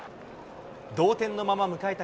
同点のまま迎えた